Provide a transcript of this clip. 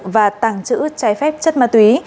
và tàng trữ trái phép chất ma túy